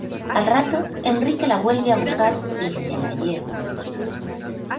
Al rato, Enrique la vuelve a buscar y se la lleva.